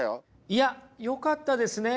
いやよかったですね。